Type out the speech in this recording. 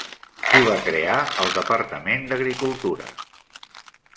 Qui va crear el Departament d'Agricultura?